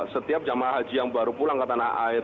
setiap jemaah haji yang baru pulang ke tanah air